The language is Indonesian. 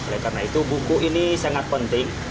oleh karena itu buku ini sangat penting